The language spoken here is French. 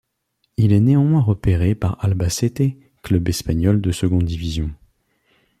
Il est néanmoins repéré par Albacete, club espagnol de seconde division.